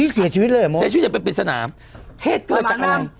เสียชีวิตอย่างเป็นปริศนาเหตุด้วยจากอะไร